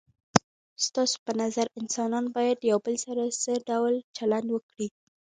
ستاسو په نظر انسانان باید له یو بل سره څه ډول چلند وکړي؟